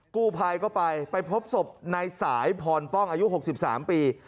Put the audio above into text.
กู้ภัยก็ไปไปพบศพนายสายพรป้องอายุ๖๓ปี